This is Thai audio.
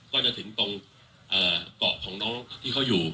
ก็จะถึงตรงเกาะของน้องที่เขาอยู่